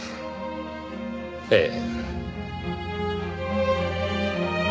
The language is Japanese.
ええ。